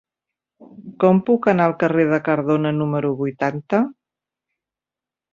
Com puc anar al carrer de Cardona número vuitanta?